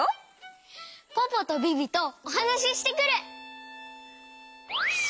ポポとビビとおはなししてくる！